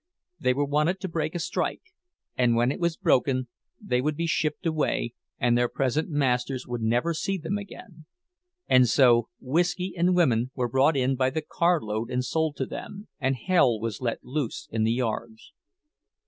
They were wanted to break a strike, and when it was broken they would be shipped away, and their present masters would never see them again; and so whisky and women were brought in by the carload and sold to them, and hell was let loose in the yards.